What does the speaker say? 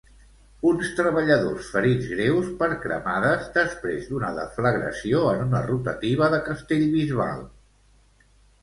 Uns treballadors ferits greus per cremades després d'una deflagració en una rotativa de Castellbisbal.